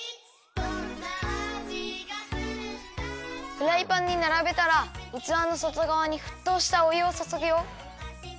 フライパンにならべたらうつわのそとがわにふっとうしたおゆをそそぐよ。